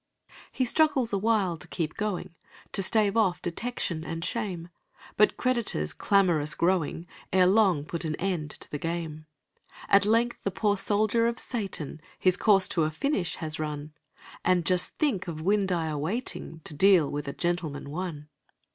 He struggles awhile to keep going, To stave off detection and shame; But creditors, clamorous growing, Ere long put an end to the game. At length the poor soldier of Satan His course to a finish has run And just think of Windeyer waiting To deal with "A Gentleman, One"!